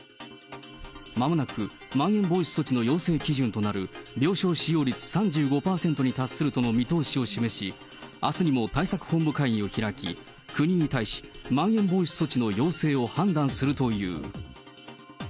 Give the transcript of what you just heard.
まもなくまん延防止措置の要請基準となる病床使用率３５％に達するとの見通しを示し、あすにも対策本部会議を開き、国に対し、まん延防止措置の要請を判断するという。